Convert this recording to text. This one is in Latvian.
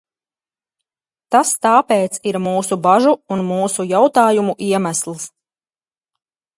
Tas tāpēc ir mūsu bažu un mūsu jautājumu iemesls.